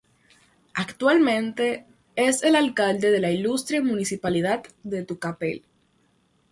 Actualmente es el Alcalde de la Ilustre Municipalidad de Tucapel.